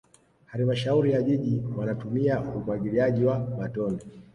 halmashauri ya jiji wanatumia umwagiliaji wa matone